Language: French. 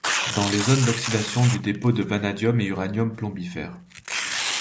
Dans les zones d’oxydation du dépôt de vanadium et uranium plombifères.